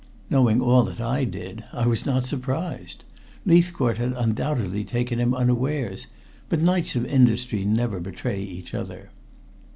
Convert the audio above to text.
Knowing all that I did, I was not surprised. Leithcourt had undoubtedly taken him unawares, but knights of industry never betray each other.